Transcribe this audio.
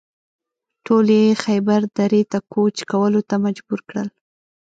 ټول یې خیبر درې ته کوچ کولو ته مجبور کړل.